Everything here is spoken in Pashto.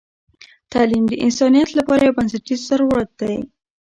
تعلیم د انسانیت لپاره یو بنسټیز ضرورت دی.